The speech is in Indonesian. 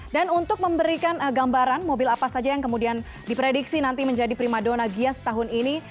dan untuk memberikan gambaran mobil apa saja yang kemudian diprediksi nanti menjadi prima dona gias tahun ini